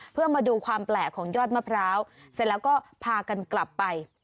เพื่อมาดูความแปลกของยอดมะพร้าวเสร็จแล้วก็พากันกลับไป